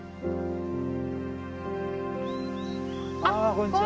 あこんにちは。